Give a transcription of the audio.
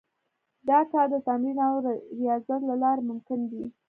دا کار د تمرين او رياضت له لارې ممکن دی.